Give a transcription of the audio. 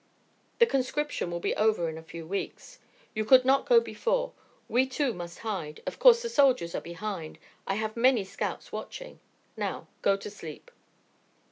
"The conscription will be over in a few weeks " "You could not go before. We too must hide. Of course the soldiers are behind. I have many scouts watching. Now go to sleep."